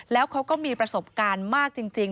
แล้วเขาก็มีประสบการณ์มากจริง